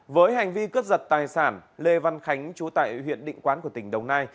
với hành vi cướp giật tài sản lê văn khánh chú tại huyện định quán của tỉnh đồng nai